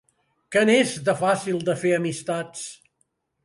Que n'és, de fàcil, de fer amistats